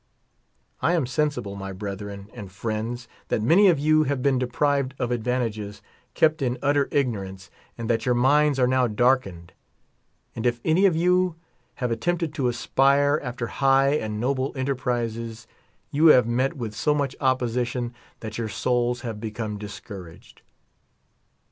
I am sensible, my brethren and friends, that many of you have been deprived of advantages, kept in utter ig norance, and that your minds are now darkened ; and if any of you have attempted to aspire after high and noble enterprises, you have met with so much opposition that 36 your souls have become discouraged.